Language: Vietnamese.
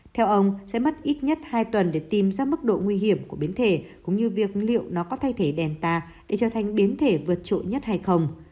theo ông sẽ mất ít nhất hai tuần để tìm ra mức độ nguy hiểm của biến thể cũng như việc liệu nó có thay thể đèn ta để trở thành biến thể vượt trội nhất hay không